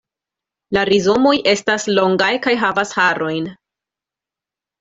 La rizomoj estas longaj kaj havas harojn.